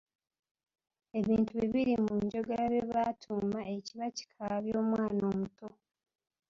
Ebintu bibiri mu njogera bye batuuma ekiba kikaabya omwana omuto.